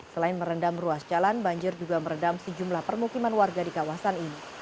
selain merendam ruas jalan banjir juga meredam sejumlah permukiman warga di kawasan ini